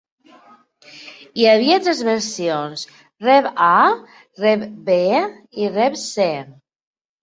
Hi havia tres versions: RevA, RevB i RevC.